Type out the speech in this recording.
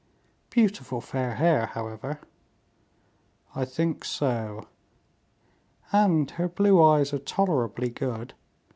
"Beautiful fair hair, however." "I think so." "And her blue eyes are tolerably good."